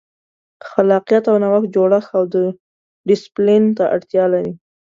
خلاقیت او نوښت جوړښت او ډیسپلین ته اړتیا لري.